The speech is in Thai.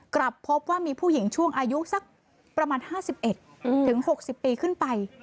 กลับพบว่ามีผู้หญิงช่วงอายุสักประมาณ๕๑ถึง๖๐ปีขึ้นไป